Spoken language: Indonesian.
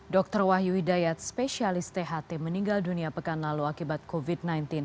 dr wahyu hidayat spesialis tht meninggal dunia pekan lalu akibat covid sembilan belas